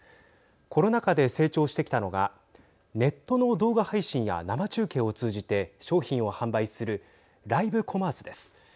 コロナ禍で成長してきたのがネットの動画配信や生中継を通じて商品を販売するライブコマースです。